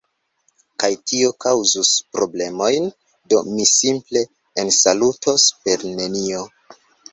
Kaj tio kaŭzus problemojn do mi simple ensalutos per nenio.